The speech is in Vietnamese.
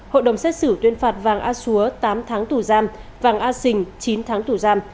hội đồng xét xử tuyên phạt vàng a súa tám tháng tù giam vàng a sình chín tháng tù giam